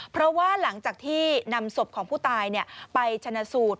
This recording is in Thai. เพราะว่าหลังจากที่นำศพของผู้ตายไปชนะสูตร